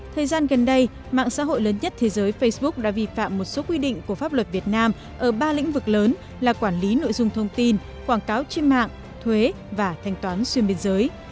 thời gian gần đây mạng xã hội lớn nhất thế giới facebook đã vi phạm một số quy định của pháp luật việt nam ở ba lĩnh vực lớn là quản lý nội dung thông tin quảng cáo trên mạng thuế và thanh toán xuyên biên giới